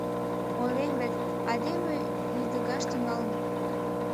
Ойлем вет, айдеме йӱдыгаш тӱҥалын.